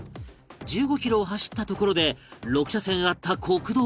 １５キロを走ったところで６車線あった国道が